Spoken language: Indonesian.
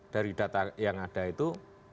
dari data yang ada itu